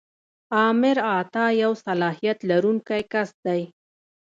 آمر اعطا یو صلاحیت لرونکی کس دی.